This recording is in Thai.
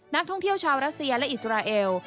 นักท่องเที่ยวชาวรัสเซียและอิสราเอล